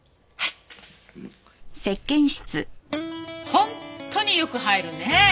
本当によく入るねえ。